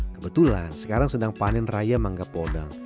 kebetulan sekarang sedang panen raya mangga podeng